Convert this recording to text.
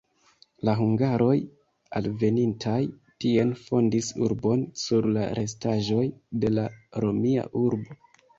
La hungaroj alvenintaj tien fondis urbon, sur la restaĵoj de la romia urbo.